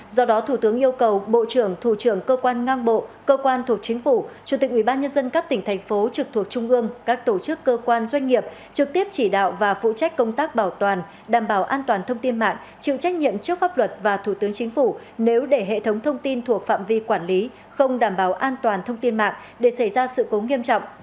do đó thủ tướng yêu cầu bộ trưởng thủ trưởng cơ quan ngang bộ cơ quan thuộc chính phủ chủ tịch ubnd các tỉnh thành phố trực thuộc trung ương các tổ chức cơ quan doanh nghiệp trực tiếp chỉ đạo và phụ trách công tác bảo toàn đảm bảo an toàn thông tin mạng chịu trách nhiệm trước pháp luật và thủ tướng chính phủ nếu để hệ thống thông tin thuộc phạm vi quản lý không đảm bảo an toàn thông tin mạng để xảy ra sự cố nghiêm trọng